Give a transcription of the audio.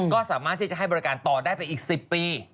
ก็สามารถที่จะให้บริการต่อได้ไปอีก๑๐ปี